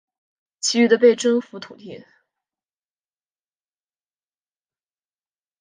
其余的被征服土地则被交给定居者。